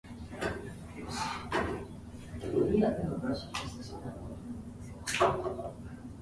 Vine's cricket career was not one of a rapid rise to fame.